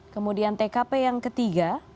kemudian tkp yang ketiga